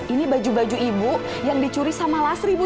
ini baju baju ibu yang dicuri sama lasri bu